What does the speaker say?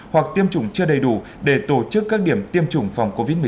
hoặc tiêm chủng chưa đầy đủ để tổ chức các điểm tiêm chủng phòng covid một mươi